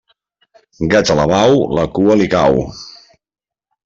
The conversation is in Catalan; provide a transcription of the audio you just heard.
Gat alabau, la cua li cau.